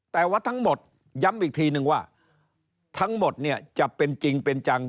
แต่ว่าทั้งหมดย้ำอีกทีนึงว่าทั้งหมดเนี่ยจะเป็นจริงเป็นจัง